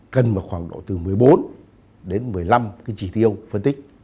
cần khoảng độ từ một mươi bốn đến một mươi năm trí tiêu phân tích